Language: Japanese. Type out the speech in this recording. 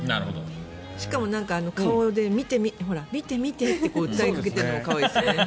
しかも顔で見て、見てって訴えかけているのも可愛いですね。